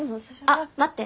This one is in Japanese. あっ待って。